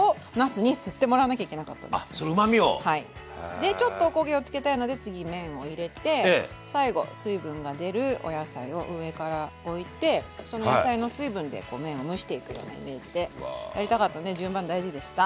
でちょっとおこげをつけたいので次麺を入れて最後水分が出るお野菜を上から置いてその野菜の水分で麺を蒸していくようなイメージでやりたかったので順番大事でした。